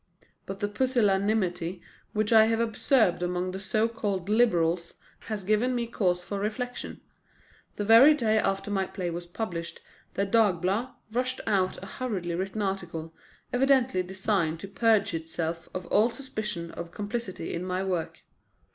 But the pusillanimity which I have observed among the so called Liberals has given me cause for reflection. The very day after my play was published the Dagblad rushed out a hurriedly written article, evidently designed to purge itself of all suspicion of complicity in my work.